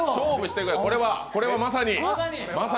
これはまさに？